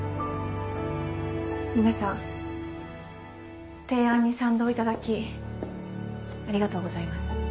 皆さん提案に賛同いただきありがとうございます。